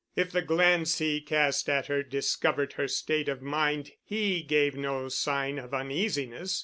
If the glance he cast at her discovered her state of mind, he gave no sign of uneasiness.